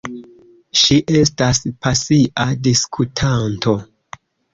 Ŝi estas pasia diskutanto.